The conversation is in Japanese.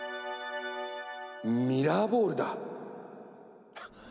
ミラーボールだ！はっ！